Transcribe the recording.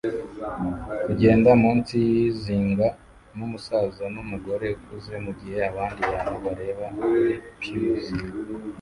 kugenda munsi yizinga numusaza numugore ukuze mugihe abandi bantu bareba kuri pews